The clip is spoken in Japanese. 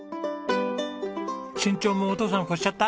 身長もお父さん超しちゃった？